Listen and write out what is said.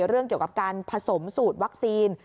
เรื่องเกี่ยวกับการผสมสูตรวัคซีน